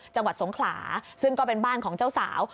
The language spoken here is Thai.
จังหวัดสงขลาซึ่งก็เป็นบ้านของเจ้าสาว